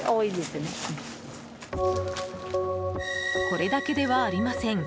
これだけではありません。